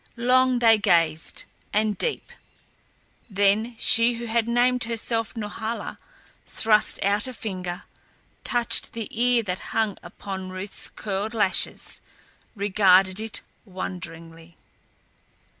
Long they gazed and deep. Then she who had named herself Norhala thrust out a finger, touched the tear that hung upon Ruth's curled lashes, regarded it wonderingly.